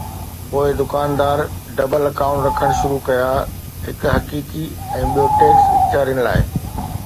پوءِ دڪاندار double account رکڻ شروع ڪيا، هڪ حقيقي ۽ ٻيو ٽيڪس اختيارين لاءِ.